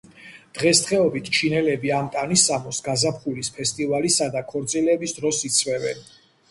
დღესდღეობით ჩინელები ამ ტანისამოსს გაზაფხულის ფესტივალისა და ქორწილების დროს იცმევენ.